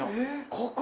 ここ！